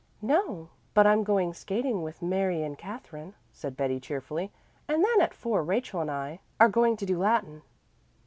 "No, but I'm going skating with Mary and Katherine," said Betty cheerfully, "and then at four Rachel and I are going to do Latin."